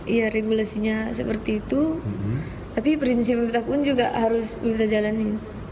iya regulasinya seperti itu tapi prinsip kita pun juga harus kita jalanin